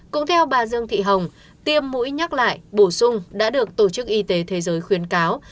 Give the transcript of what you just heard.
cũng theo bà dương thị hồng tiêm mũi nhắc lại bổ sung đã được tổ chức y tế thế giới khuyến cáo